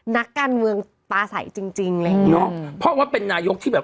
นักการเมืองปลาสัยจริงจริงเลยเนอะเพราะว่าเป็นนายกที่แบบ